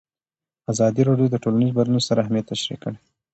ازادي راډیو د ټولنیز بدلون ستر اهميت تشریح کړی.